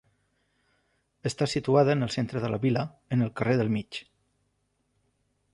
Està situada en el centre de la vila, en el carrer del Mig.